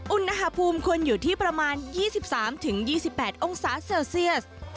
อุณหภูมิควรอยู่ที่ประมาณ๒๓๒๘องศาเซลเซียส